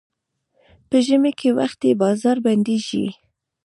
په ژمي کې وختي بازار بندېږي.